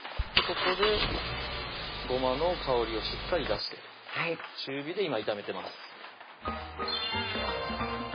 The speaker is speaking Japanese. ここでごまの香りをしっかり出して中火で今炒めてます